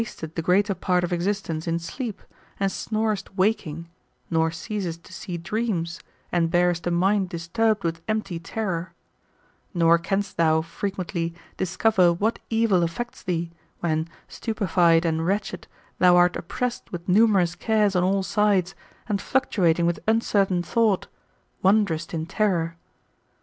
143 wastest the greater part of existence in sleep, and snorest waking, nor ceasest to see dreamfl, and bearest a mind dis turbed with empty terror; nor canst thou, frequently, dis cover what evil lUSects thee, when, stupified and wretched, thou art oppressed with numerous cares on all sides, and, fluctuating with uncertain thought, wanderest in error